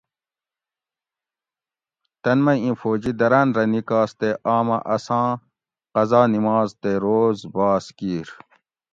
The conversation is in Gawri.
تۤن مئی اِیں فوجی دراۤن رہ نِکاس تے آمہ اساں قضا نماز تے روز باس کِیر